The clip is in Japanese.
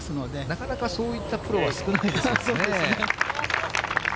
なかなかそういったプロは少ないですよね。